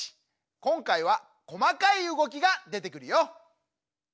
こんかいはこまかいうごきがでてくるよ。